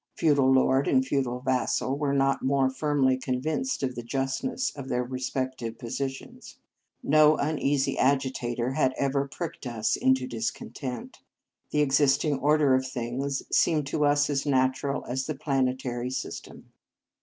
Feudal lord and feudal vassal were not more firmly convinced of the just ness of their respective positions. No uneasy agitator had ever pricked us into discontent. The existing order of things seemed to us as natural as the planetary system.